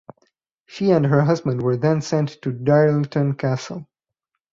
She and her husband were then sent to Dirleton Castle.